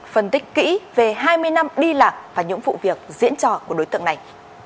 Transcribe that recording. phân tích kỹ về hai mươi năm đi lạc và những vụ việc diễn trò của đối tượng này